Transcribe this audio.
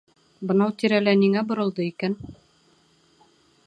— Бынау тирәлә ниңә боролдо икән?